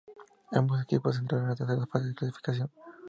Ambos equipos entrarán a la tercera fase de clasificación.